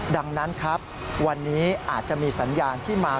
ดังนั้นครับวันนี้อาจจะมีสัญญาณที่มา